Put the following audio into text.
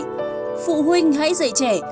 phụ huynh hãy dạy trẻ